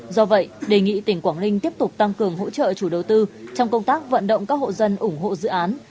do vậy đề nghị tỉnh quảng ninh tiếp tục tăng cường hỗ trợ chủ đầu tư trong công tác vận động các hộ dân ủng hộ dự án